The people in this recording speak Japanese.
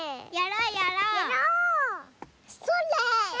それ！